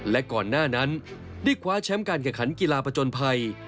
และก่อนหน้านั้นได้คว้าแชมป์การแข่งขันกีฬาประจนภัย